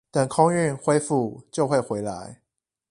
等空運恢復就會回來